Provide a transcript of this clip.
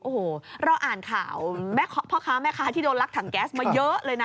โอ้โหเราอ่านข่าวพ่อค้าแม่ค้าที่โดนลักถังแก๊สมาเยอะเลยนะ